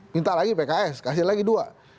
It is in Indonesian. minta lagi pks kasih lagi dua